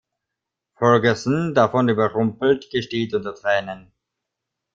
Ferguson, davon überrumpelt, gesteht unter Tränen.